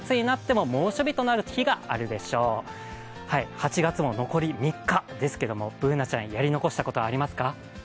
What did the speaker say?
８月も残り３日ですけど、Ｂｏｏｎａちゃんやり残したことありますか？